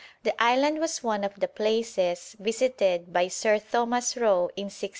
The island was one of the places visited by Sir Thomas Roe in 1615.